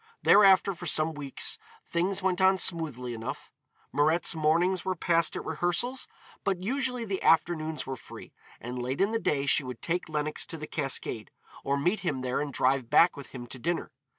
Thereafter for some weeks things went on smoothly enough. Mirette's mornings were passed at rehearsals, but usually the afternoons were free, and late in the day she would take Lenox to the Cascade, or meet him there and drive back with him to dinner.